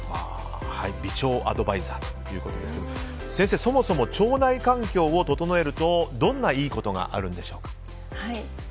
美腸アドバイザーということですが先生、そもそも腸内環境を整えるとどんないいことがあるんでしょうか。